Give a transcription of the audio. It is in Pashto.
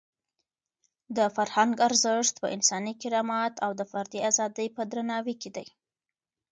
د فرهنګ ارزښت په انساني کرامت او د فردي ازادۍ په درناوي کې دی.